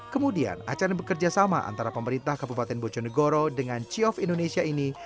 kemudian acara bekerjasama antara pemerintah kabupaten bojo negoro dengan siof indonesia ini